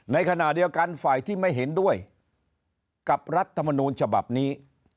ในขณะเดียวกันฝ่ายที่ไม่เห็นด้วยกับรัฐมนูลฉบับนี้